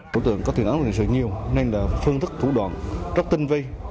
thủ tượng có tiền án của nền sở nhiều nên là phương thức thủ đoạn rất tinh vây